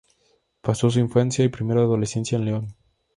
Pasó su infancia y primera adolescencia en León.